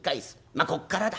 まあこっからだ。